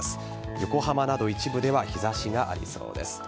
横浜など一部では日差しがありそうです。